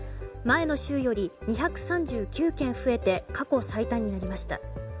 前の週より２３９件増えて過去最多になりました。